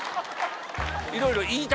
いろいろ。